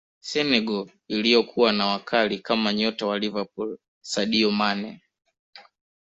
senegal iliyokuwa na wakali kama nyota wa liverpool sadio mane